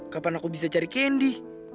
kapan aku bisa cari candi